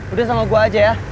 udah sama gue aja ya